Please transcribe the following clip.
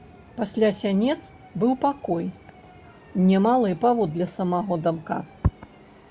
Пасля сянец быў пакой, немалы паводле самога дамка.